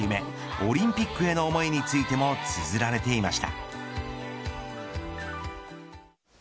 オリンピックへの思いについてもつづられていました。